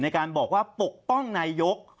ในการบอกว่าปกป้องนายก